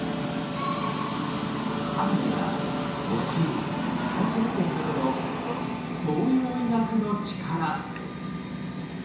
鍼やお灸太極拳などの東洋医学のチカラ！